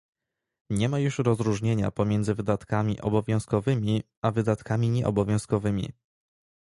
Nie ma już rozróżnienia pomiędzy wydatkami obowiązkowymi a wydatkami nieobowiązkowymi